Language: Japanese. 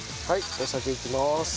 お酒いきまーす。